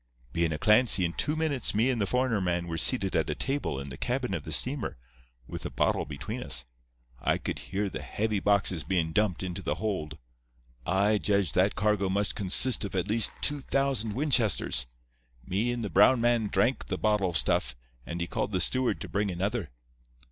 "Bein' a Clancy, in two minutes me and the foreigner man were seated at a table in the cabin of the steamer, with a bottle between us. I could hear the heavy boxes bein' dumped into the hold. I judged that cargo must consist of at least 2,000 Winchesters. Me and the brown man drank the bottle of stuff, and he called the steward to bring another.